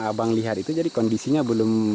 abang lihat itu jadi kondisinya belum